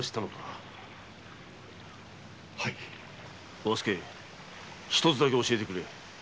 和助一つだけ教えてくれ。